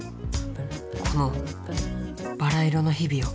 このバラ色の日々を。